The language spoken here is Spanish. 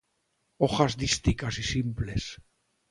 Hojas dísticas y simples.